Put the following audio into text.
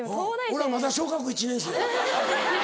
俺まだ小学１年生。